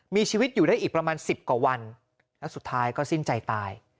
มีชีวิตอยู่ได้อีกประมาณ๑๐กว่าวันแล้วสุดท้ายก็สิ้นใจตาย